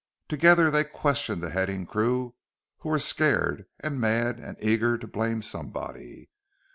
Together, they questioned the heading crew, who were scared and mad and eager to blame somebody.